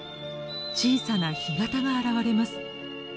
小さな干潟が現れます。